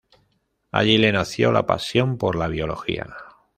Allí le nació la pasión por la Biología.